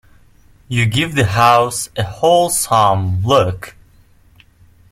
You give the house a wholesome look.